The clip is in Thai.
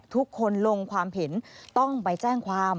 ทุกคนลงความเห็นต้องไปแจ้งความ